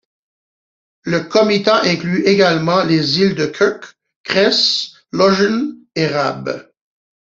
Le comitat inclut également les îles de Krk, Cres, Lošinj et Rab.